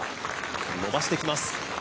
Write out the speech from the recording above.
伸ばしてきます。